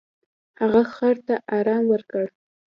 هغه خر ته ارام ورکړ.